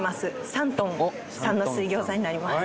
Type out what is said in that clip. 山東さんの水餃子になります